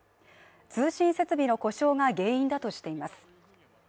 通信設備の故障が原因だとしています。